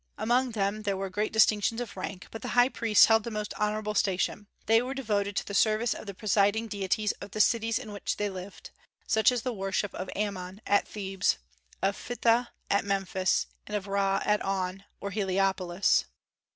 Among them there were great distinctions of rank, but the high priests held the most honorable station; they were devoted to the service of the presiding deities of the cities in which they lived, such as the worship of Ammon at Thebes, of Phtha at Memphis, and of Ra at On, or Heliopolis.